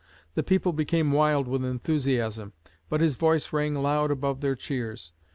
The people became wild with enthusiasm, but his voice rang loud above their cheers.